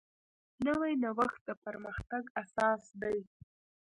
نوی نوښت د پرمختګ اساس دی